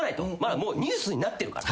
もうニュースになってるから。